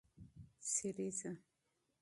سريزه